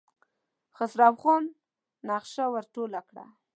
خسرو خان نخشه ور ټوله کړه.